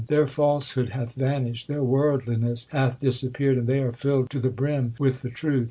Their falsehood hath vanished, their worldliness hath disappeared, and they are filled to the brim with the truth.